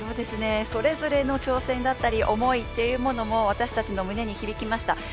それぞれの挑戦思いというものも私たちの胸に響きました。